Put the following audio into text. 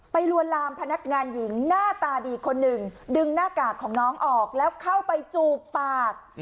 ลวนลามพนักงานหญิงหน้าตาดีคนหนึ่งดึงหน้ากากของน้องออกแล้วเข้าไปจูบปาก